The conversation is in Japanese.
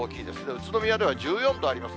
宇都宮では１４度あります。